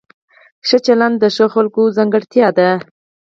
ښه چلند د ښو خلکو ځانګړتیا ده.